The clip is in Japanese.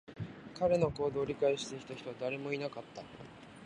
彼の行動を理解していた人も誰もいなかった